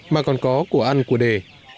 mà còn có của ăn của đề